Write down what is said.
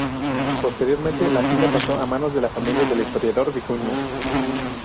Posteriormente la hacienda pasó a manos de la familia del historiador Vicuña.